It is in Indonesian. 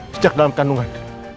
sejak dalam kandungan